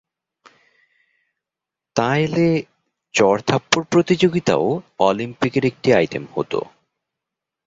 তা এলে চড় থাপ্পড় প্রতিযোগিতাও অলিম্পিকের একটি আইটেম হতো।